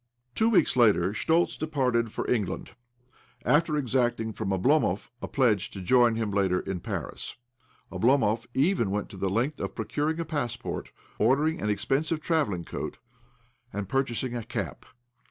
Two weeks later Schtoltz departed for England, after exacting from Oblomov a pjedge to join him later in Paris. Oblo mov even went to the length of pro curing a passport, ordering an expensive* travelling coat, and purchasing! a cap.